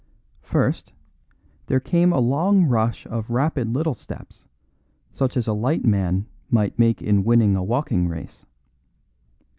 First, there came a long rush of rapid little steps, such as a light man might make in winning a walking race.